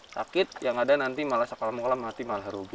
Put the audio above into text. sakit yang ada nanti malah sekolah mati malah rugi